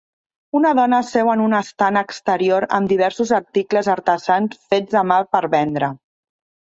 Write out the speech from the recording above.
Una dona seu en un estand exterior amb diversos articles artesans fets a mà per vendre.